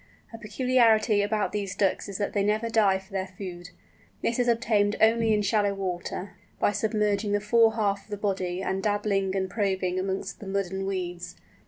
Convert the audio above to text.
A peculiarity about these Ducks is that they never dive for their food. This is obtained only in shallow water, by submerging the fore half of the body and dabbling and probing amongst the mud and weeds.